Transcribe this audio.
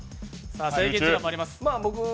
制限時間もあります。